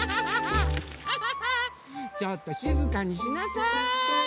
ちょっとしずかにしなさい！